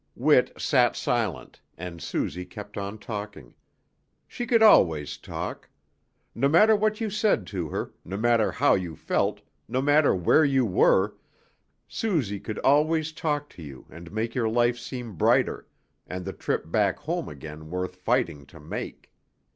Whit sat silent, and Suzy kept on talking. She could always talk. No matter what you said to her, no matter how you felt, no matter where you were, Suzy could always talk to you and make your life seem brighter, and the trip back home again worth fighting to make.